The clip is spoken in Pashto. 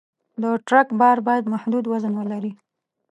د ټرک بار باید محدود وزن ولري.